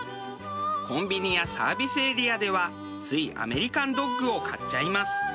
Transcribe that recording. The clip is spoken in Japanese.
コンビニやサービスエリアではついアメリカンドッグを買っちゃいます。